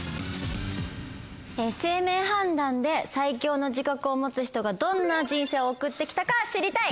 姓名判断で最強の字画を持つ人がどんな人生を送って来たか知りたい！